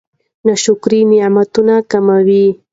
ناشکري نعمتونه کموي.